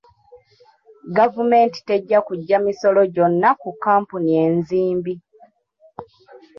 Gavumenti tejja kujja misolo gyonna ku kkampuni enzimbi.